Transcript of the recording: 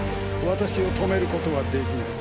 私を止めることはできない。